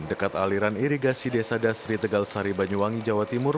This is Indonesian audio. dekat aliran irigasi desa dasri tegal sari banyuwangi jawa timur